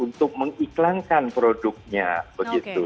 untuk mengiklankan produknya begitu